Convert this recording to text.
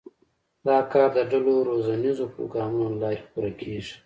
دا کار د ډلو روزنیزو پروګرامونو له لارې پوره کېږي.